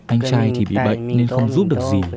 anh trai thì bị bệnh nên không giúp được gì